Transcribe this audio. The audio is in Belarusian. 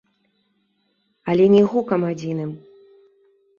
Але не гукам адзіным!